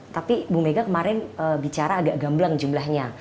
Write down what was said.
tapi bu mega kemarin bicara agak gamblang jumlahnya